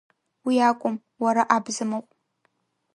Уиакәым, уара абзамыҟә!